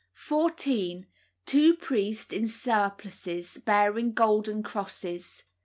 14. Two priests in surplices, bearing golden crosses.